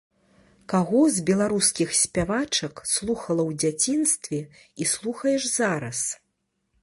Каго з беларускіх спявачак слухала ў дзяцінстве і слухаеш зараз?